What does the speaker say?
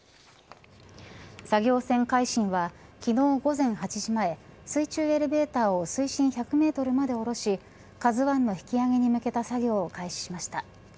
作業船、海進は昨日午前８時前水中エレベーターを水深１００メートルまで下ろしＫＡＺＵ１の引き上げに向けた作業を開始しました。